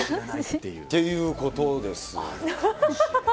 っていうことです。